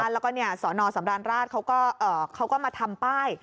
แล้วก็เนี่ยสนสำรราชเขาก็มาทำป้าย